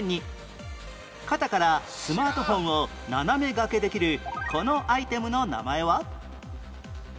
肩からスマートフォンを斜め掛けできるこのアイテムの名前は？